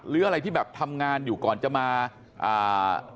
หรืออะไรที่แบบทำงานอยู่ก่อนจะมาอ่า